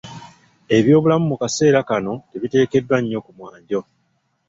Ebyobulamu mu kaseera kano tebiteekeddwa nnyo ku mwanjo.